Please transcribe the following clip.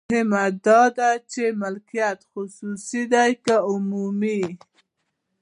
مهمه دا ده چې مالکیت خصوصي دی که عمومي.